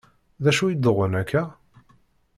D acu i d-uɣen akka?